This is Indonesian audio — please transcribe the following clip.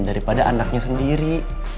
daripada anaknya sendiri